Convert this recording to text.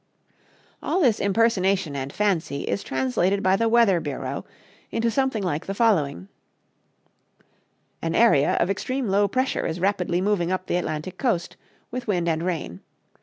All this impersonation and fancy is translated by the Weather Bureau into something like the following: "An area of extreme low pressure is rapidly moving up the Atlantic Coast, with wind and rain.